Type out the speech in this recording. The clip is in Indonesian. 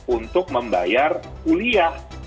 untuk membayar kuliah